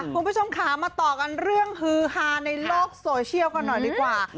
คุณผู้ชมค่ะมาต่อกันเรื่องฮือฮาในโลกโซเชียลกันหน่อยดีกว่า